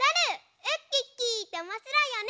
ウッキッキーっておもしろいよね。